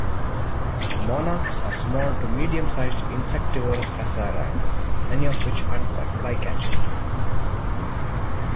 The monarchs are small to medium-sized insectivorous passerines, many of which hunt by flycatching.